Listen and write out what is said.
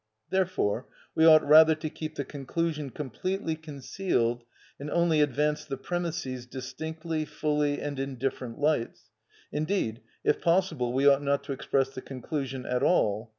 Therefore we ought rather to keep the conclusion completely concealed, and only advance the premisses distinctly, fully, and in different lights. Indeed, if possible, we ought not to express the conclusion at all.